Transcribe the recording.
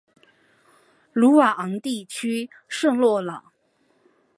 鲁瓦昂地区圣洛朗。